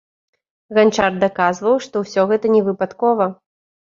Ганчар даказваў, што ўсё гэта не выпадкова.